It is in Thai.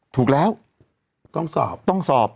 ถูกแล้วต้องสอบ